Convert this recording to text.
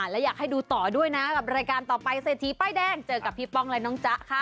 และอยากให้ดูต่อด้วยนะกับรายการต่อไปเศรษฐีป้ายแดงเจอกับพี่ป้องและน้องจ๊ะค่ะ